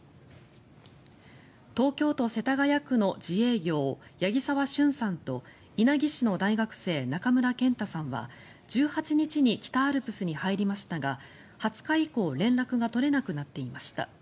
東京都世田谷区の自営業八木澤峻さんと稲城市の大学生中村健太さんは１８日に北アルプスに入りましたが２０日以降連絡が取れなくなっていました。